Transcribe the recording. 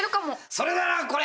「それならこれ。